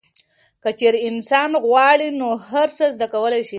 که چیرې انسان غواړي نو هر څه زده کولی شي.